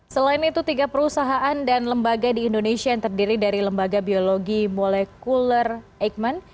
selain itu tiga perusahaan dan lembaga di indonesia yang terdiri dari lembaga biologi molekuler eijkman